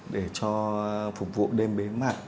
để cho phục vụ đêm bế mặt